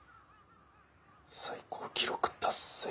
最高記録達成。